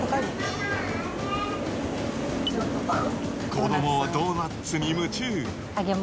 子どもはドーナツに夢中。